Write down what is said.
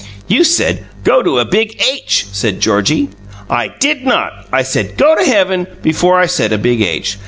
"You said, 'Go to a big H'!" said Georgie. "I did not! I said, 'Go to heaven,' before I said a big H.